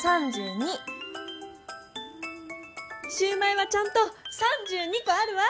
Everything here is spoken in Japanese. シューマイはちゃんと３２こあるわ！